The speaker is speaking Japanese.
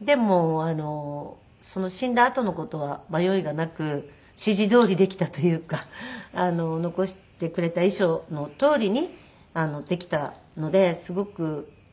でも死んだあとの事は迷いがなく指示どおりできたというか残してくれた遺書のとおりにできたのですごく助かりました。